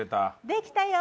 「できたよ」